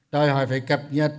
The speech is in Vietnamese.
đòi hỏi về cập nhật